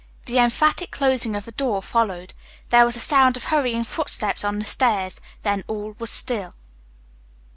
The emphatic closing of a door followed. There was a sound of hurrying footsteps on the stairs, then all was still.